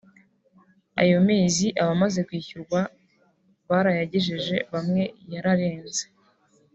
ayo mezi abamaze kwishyurwa barayagejeje bamwe yararenze